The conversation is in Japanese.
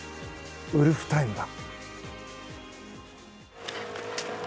ウルフタイムが。